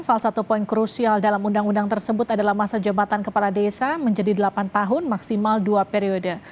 salah satu poin krusial dalam undang undang tersebut adalah masa jabatan kepala desa menjadi delapan tahun maksimal dua periode